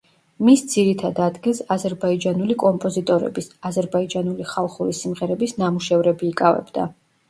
მის ძირითად ადგილს აზერბაიჯანული კომპოზიტორების, აზერბაიჯანული ხალხური სიმღერების ნამუშევრები იკავებდა.